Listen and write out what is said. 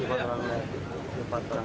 empat orang itu lihat korban